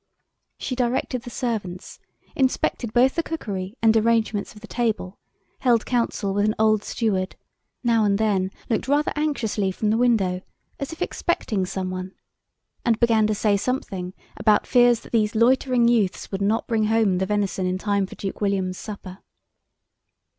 She directed the servants, inspected both the cookery and arrangements of the table, held council with an old steward, now and then looked rather anxiously from the window, as if expecting some one, and began to say something about fears that these loitering youths would not bring home the venison in time for Duke William's supper.